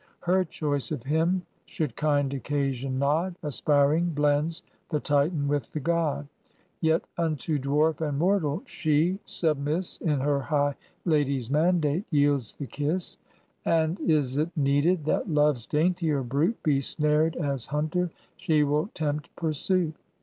Her choice of him, should kind occasion nod, Aspiring blends the Titan with the God; Yet unto dwarf and mortal, she, submiss In her high Lady's mandate, yields the kiss; And is it needed that Love's daintier brute Be snared as hunter, she will tempt pursuit.